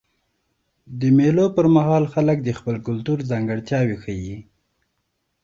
د مېلو پر مهال خلک د خپل کلتور ځانګړتیاوي ښیي.